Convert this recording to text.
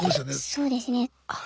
そうですね。